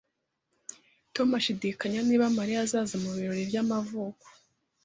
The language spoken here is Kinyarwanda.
Tom ashidikanya niba Mariya azaza mubirori by'amavuko